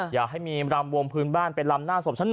อยากให้มีรำวงพื้นบ้านไปลำหน้าศพฉันหน่อย